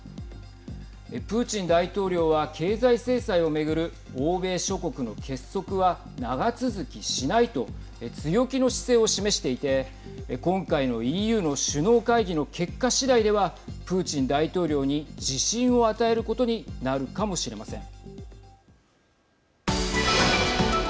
プーチン大統領は、経済制裁をめぐる欧米諸国の結束は長続きしないと強気の姿勢を示していて今回のＥＵの首脳会議の結果しだいではプーチン大統領に自信を与えることになるかもしれません。